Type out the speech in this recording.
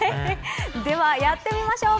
では、やってみましょう。